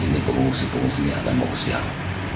di sini pengungsi pengungsinya akan mau ke siau